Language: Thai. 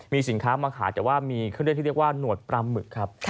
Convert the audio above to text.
มีสินค้ามาขายแต่ว่ามีเครื่องเล่นที่เรียกว่าหนวดปลาหมึกครับ